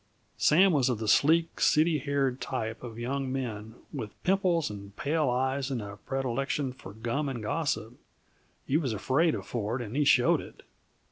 Sam was of the sleek, oily haired type of young men, with pimples and pale eyes and a predilection for gum and gossip. He was afraid of Ford and he showed it.